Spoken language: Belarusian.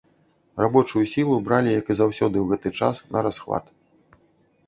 Рабочую сілу бралі, як і заўсёды ў гэты час, нарасхват.